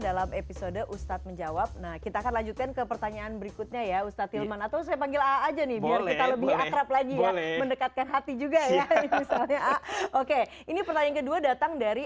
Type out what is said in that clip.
aja nih boleh lebih akrab lagi boleh mendekatkan hati juga ya oke ini pertanyaan kedua datang dari